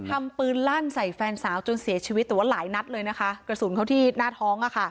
ทำปืนลั่นใส่แฟนสาวจนเสียชีวิตแต่ว่าหลายนัดเลยนะคะกระสุนเข้าที่หน้าท้องอ่ะค่ะ